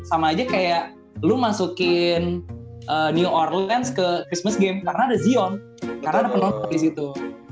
sama aja kayak lo masukin new orleans ke christmas game karena ada zion karena ada penonton disitu